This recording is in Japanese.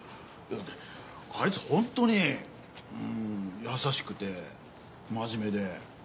あいつ本当に優しくて真面目で。